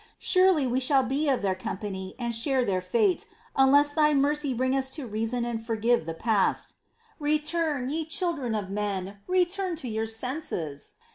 Surely we shall be of their company and share their fate, unless Thy mercy bring us to reason and forgive the past, 8. Return, ye children of men, return to your senses